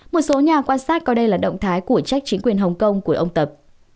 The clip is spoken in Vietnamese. một số nhà quan sát coi đây là động thái của trách chính quyền hồng kông của ông tập